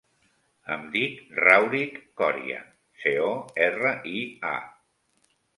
Em dic Rauric Coria: ce, o, erra, i, a.